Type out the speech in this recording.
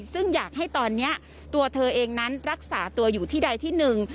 ซึ่งอยากให้ตอนนี้ตัวเธอเองนั้นรักษาตัวอยู่ที่ใดที่หนึ่ง